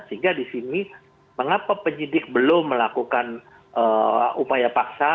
sehingga disini mengapa penyidik belum melakukan upaya paksa